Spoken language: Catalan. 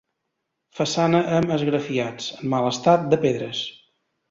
Façana amb esgrafiats, en mal estat, de pedres.